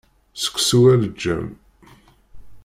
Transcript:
Seksu aleǧǧam.